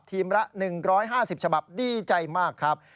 ละ๑๕๐ฉบับดีใจมากครับ